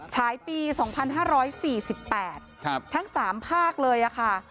ฉายปี๒๕๔๘ทั้ง๓ภาคเลยค่ะ